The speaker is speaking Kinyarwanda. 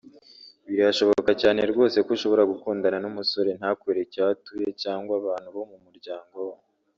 Birashoboka cyane rwose ko ushobora gukundana n’umusore ntakwereke aho atuye cyangwa abantu bo mu muryango we